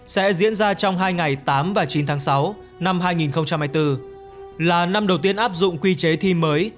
sẽ diễn ra trong hai ngày tám và chín tháng sáu năm hai nghìn hai mươi bốn là năm đầu tiên áp dụng quy chế thi mới